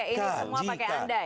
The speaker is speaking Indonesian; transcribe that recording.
oke ini semua pakai andai